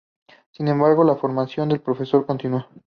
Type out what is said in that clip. Sin embargo, la formación del profesorado continuó.